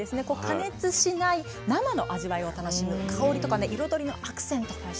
加熱しない生の味わいを楽しむ香りとか彩りのアクセントにバッチリです。